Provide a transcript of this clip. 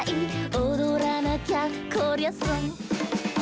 「おどらなきゃこりゃソン」ウ！